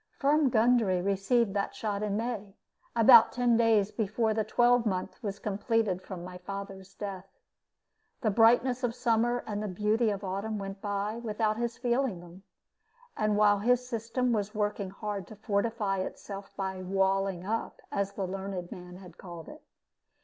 Firm Gundry received that shot in May, about ten days before the twelvemonth was completed from my father's death. The brightness of summer and beauty of autumn went by without his feeling them, and while his system was working hard to fortify itself by walling up, as the learned man had called it.